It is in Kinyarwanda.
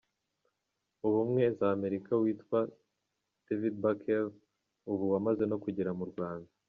ubumwe z'Amerika witwa David Backel, ubu wamaze no kugera mu Rwanda.